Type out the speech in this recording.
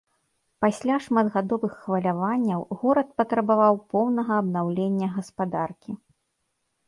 Пасля шматгадовых хваляванняў горад патрабаваў поўнага абнаўлення гаспадаркі.